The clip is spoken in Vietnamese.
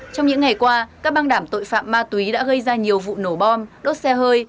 trong những ngày qua các băng đảng tội phạm ma túy đã gây ra nhiều vụ nổ bom đốt xe hơi